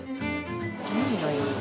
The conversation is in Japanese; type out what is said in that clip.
何がいい？